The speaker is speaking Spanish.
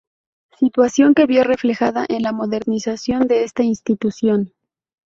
Situación que vio reflejada en la modernización de esta institución.